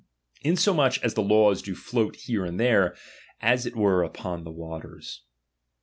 Insomuch as the laws <lo float here and there, as it were upon the W'aters.